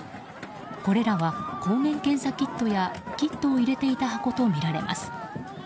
これらは抗原検査キットやキットを入れていた箱とみられます。